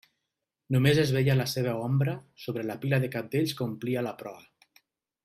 Només es veia la seua ombra sobre la pila de cabdells que omplia la proa.